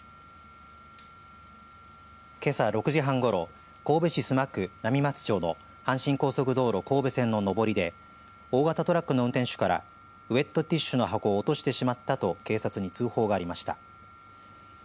けさ６時半ごろ、神戸市須磨区浪松町の阪神高速道路神戸線の上りで大型トラックの運転手からウエットティッシュの箱を落としてしまったと警察に通報がありました。